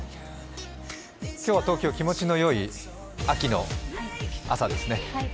今日は東京、とても気持ちのいい秋の朝ですね。